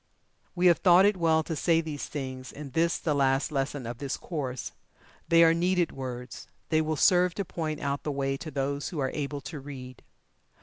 We have thought it well to say these things in this the last lesson of this course. They are needed words they will serve to point out the way to those who are able to read.